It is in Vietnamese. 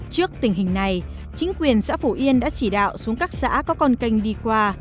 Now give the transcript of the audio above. trước tình hình này chính quyền xã phổ yên đã chỉ đạo xuống các xã